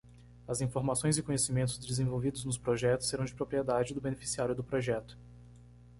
As informações e conhecimentos desenvolvidos nos projetos serão de propriedade do beneficiário do projeto.